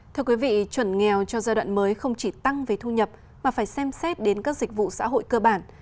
thưa quý vị chuẩn nghèo cho giai đoạn mới không chỉ tăng về thu nhập mà phải xem xét đến các dịch vụ xã hội cơ bản